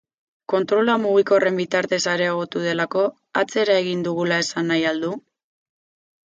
Kontrola mugikorren bitartez areagotu delako, atzera egin dugula esan nahi al du?